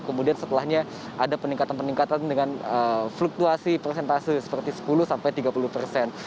kemudian setelahnya ada peningkatan peningkatan dengan fluktuasi persentase seperti sepuluh sampai tiga puluh persen